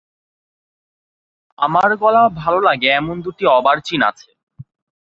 আমার গলাও ভালো লাগে এমন দুটি অর্বাচীন আছে।